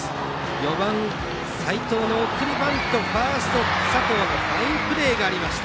４番、齋藤の送りバントファースト、佐藤のファインプレーがありました。